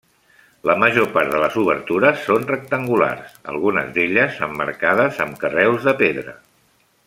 La major part de les obertures són rectangulars, algunes d'elles emmarcades amb carreus de pedra.